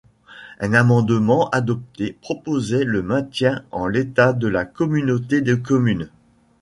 Un amendement, adopté, proposait le maintien en l'état de la communauté de communes.